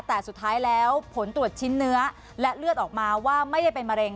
แต่สุดท้ายแล้วผลตรวจชิ้นเนื้อและเลือดออกมาว่าไม่ได้เป็นมะเร็ง